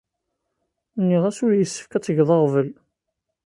Nniɣ-as ur yessefk ad tgeḍ aɣbel.